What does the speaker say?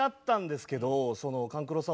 勘九郎さん